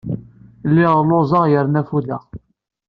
Lliɣ lluẓeɣ yerna ffudeɣ.